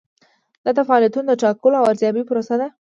دا د فعالیتونو د ټاکلو او ارزیابۍ پروسه ده.